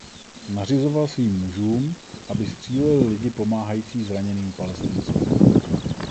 Nařizoval svým mužům, aby stříleli lidi pomáhající zraněným Palestincům.